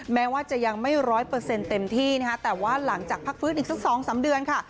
แม้ว่าจะยังไม่ร้อยเปอร์เซ็นต์เต็มที่นะคะแต่ว่าหลังจากพักฟื้นอีกสัก๒๓เดือนค่ะ